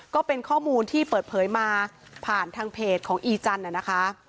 ก็เป็นข้อมูลที่เปิดเผยมาผ่านทางเพจของอีจันทร์นะคะ